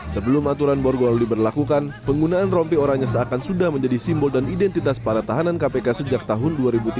sebelum aturan borgol diberlakukan penggunaan rompi oranya seakan sudah menjadi simbol dan identitas para tahanan kpk sejak tahun dua ribu tiga belas